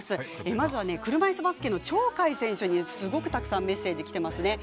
まずは車いすバスケの鳥海選手にすごくたくさんメッセージきてますね。